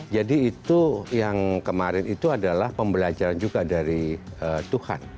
jadi itu yang kemarin itu adalah pembelajaran juga dari tuhan